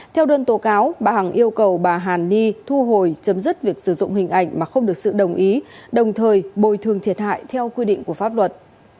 theo đơn tố cáo bà hằng yêu cầu bà hàn ni thu hồi chấm dứt việc sử dụng hình ảnh mà không được sự đồng ý đồng thời bồi thường thiệt hại theo quy định của pháp luật